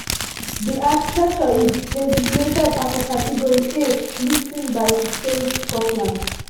The architecture is designated as a Category 'A' listing by Historic Scotland.